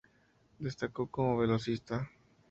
Destacó como velocista.